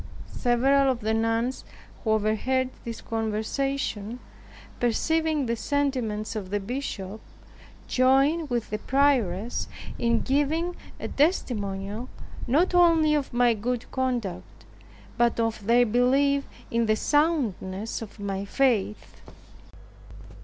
Several of the nuns who overheard this conversation, and perceiving the sentiments of the bishop, they joined with the Prioress, in giving a testimonial, not only of my good conduct, but of their belief in the soundness of my faith.